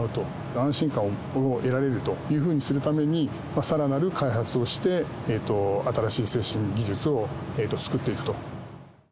安心感を得られるというふうにするために、さらなる開発をして、新しい制震技術を作っていく。